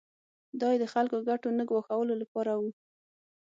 دا یې د خپلو ګټو نه ګواښلو لپاره و.